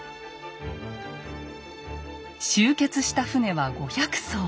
集結した船は５００艘。